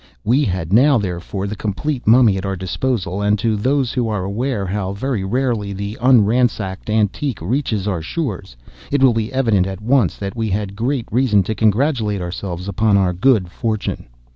We had now, therefore, the complete Mummy at our disposal; and to those who are aware how very rarely the unransacked antique reaches our shores, it will be evident, at once that we had great reason to congratulate ourselves upon our good fortune.